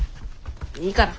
いいから。